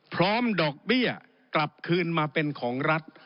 พร้อมดอกเบี้ยกลับคืนมาเป็นของรัฐ